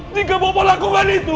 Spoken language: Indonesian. jika bapak lakukan itu